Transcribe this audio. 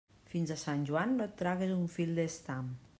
Fins a Sant Joan no et tragues un fil d'estam.